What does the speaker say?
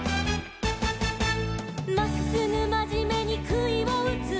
「まっすぐまじめにくいをうつ」